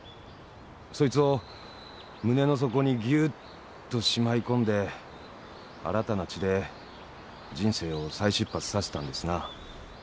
そいつを胸の底にぎゅっとしまいこんで新たな地で人生を再出発させたんですな。